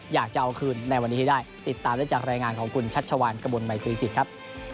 อยากจะเอาคืนในวันนี้ให้ได้ติดตามได้จากรายงานของคุณชัชวานกระมวลมัยตรีจิตครับ